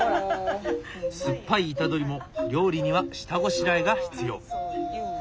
酸っぱいイタドリも料理には下ごしらえが必要。